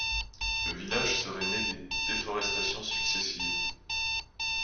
Le village serait né des déforestations successives.